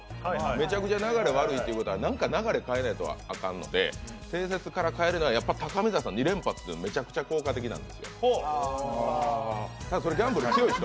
メチャクチャ流れ悪いということは何か流れを変えないとあかんので定説から変えるのは高見沢さん２連発ってめちゃめちゃ効果的なんですよるただ、それはギャンブル強い人。